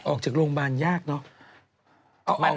ออกจากโรงพยาบาลยากเนอะ